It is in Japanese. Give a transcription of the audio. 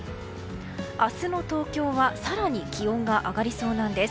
明日の東京は更に気温が上がりそうなんです。